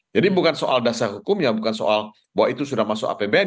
jadi bukan soal dasar hukumnya bukan soal bahwa itu sudah masuk apbn